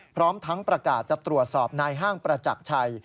พร้อมทั้งประกาศจะตรวจสอบนายห้างประจักรชัย